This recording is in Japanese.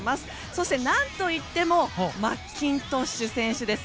そして、何といってもマッキントッシュ選手です。